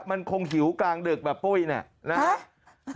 มันคงหิวกลางดึกแบบปุ้ยเนี่ยนะฮะ